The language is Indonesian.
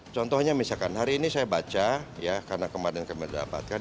contohnya misalkan hari ini saya baca ya karena kemarin kami dapatkan